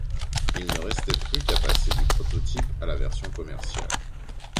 Il ne restait plus qu'à passer du prototype à la version commerciale.